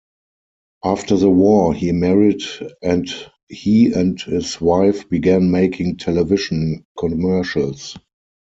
After the war, he married and he and his wife began making television commercials.